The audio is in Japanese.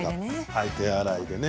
手洗いでね。